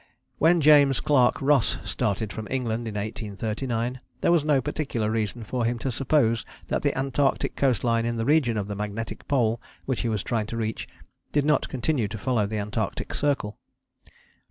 When James Clark Ross started from England in 1839 there was no particular reason for him to suppose that the Antarctic coast line in the region of the magnetic Pole, which he was to try to reach, did not continue to follow the Antarctic Circle.